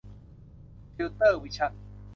ฟิลเตอร์ วิชั่น